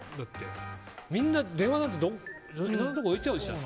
みんな電話なんていろんなところ置いちゃうし。